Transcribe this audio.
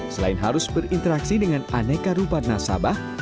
selain harus berinteraksi dengan aneka rupa nasabah